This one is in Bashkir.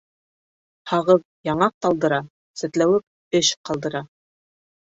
Һағыҙ яңаҡ талдыра, сәтләүек эш ҡалдыра.